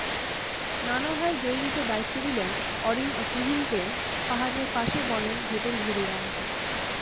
নানাভাই জেরিনকে দায়িত্ব দিলেন, অরিন-তুরিনকে পাহাড়ের পাশে বনের ভেতর ঘুরিয়ে আনতে।